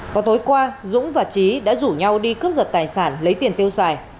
vào tối qua dũng và trí đã rủ nhau đi cướp giật tài sản lấy tiền tiêu xài